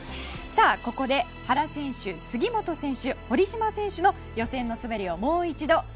ここで原選手、杉本選手堀島選手の予選の滑りをもう一度。